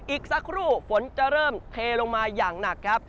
อีกสักครู่ฝนจะเริ่มเทลงมาอย่างหนักครับ